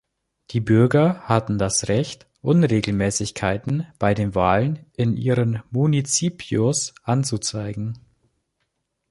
Die Bürger hatten das Recht Unregelmäßigkeiten bei den Wahlen in ihren Municipios anzuzeigen.